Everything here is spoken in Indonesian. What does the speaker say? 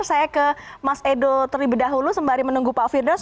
saya ke mas edo terlebih dahulu sembari menunggu pak firdaus